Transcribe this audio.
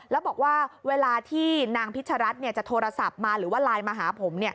แล้วบอกว่าเวลาที่นางพิชรัฐจะโทรศัพท์มาหรือว่าไลน์มาหาผม